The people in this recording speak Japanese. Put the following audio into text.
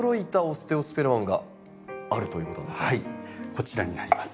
こちらになります。